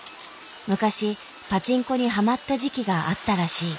昔パチンコにハマった時期があったらしい。